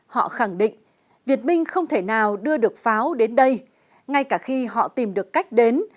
họ khẳng định việt minh không thể nào đưa được pháo đến đây ngay cả khi họ tìm được cách đến